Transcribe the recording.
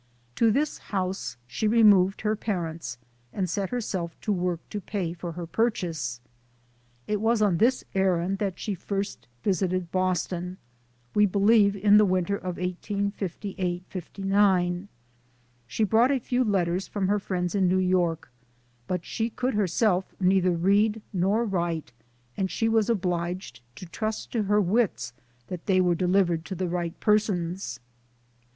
To this house she removed her parents, and set herself to work to pay for her purchase. It was on this errand that she first visited Boston we believe in the winter of 1 858 9. She brought a few letters from her friends in New York, but she could herself neither read nor write, and she was obliged to trust to her wits that they were deliv ered to the right persons.